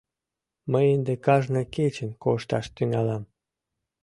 Мый ынде кажне кечын кошташ тӱҥалам.